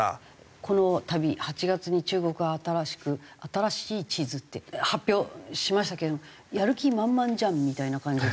このたび８月に中国は新しく新しい地図って発表しましたけれどもやる気満々じゃんみたいな感じで。